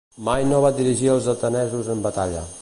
Mai no va dirigir els atenesos en batalla.